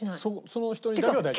その人にだけは大丈夫？